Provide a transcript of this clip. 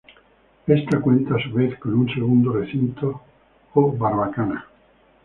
Esta cuenta, a su vez, con un segundo recinto o barbacana.